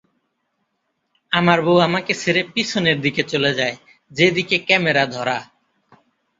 আমার বউ আমাকে ছেড়ে পেছনের দিক চলে যায়, যেদিকে ক্যামেরা ধরা।